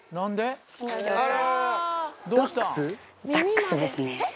ダックスですね。